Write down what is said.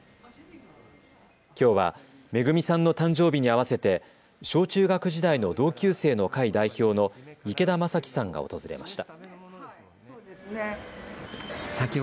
きょうはめぐみさんの誕生日に合わせて小中学時代の同級生の会代表の池田正樹さんが訪れました。